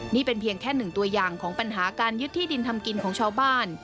นี่เป็นเพียงแค่หนึ่งตัวอย่างของปัญหาการยึดที่ดินทำกินของชาวบ้าน